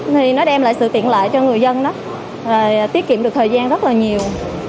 thì nó đem lại sự tiện lợi cho người dân đó tiết kiệm được thời gian rất là nhiều